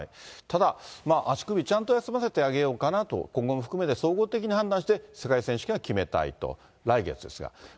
ただ、足首、ちゃんと休ませてあげようかなと、今後も含めて総合的に判断して、世界選手権は決めたいと、来月ですが。